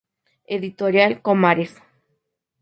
Editorial Comares.